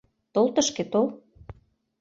Тол тышке, тол.